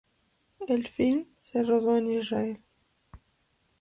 El film se rodó en Israel.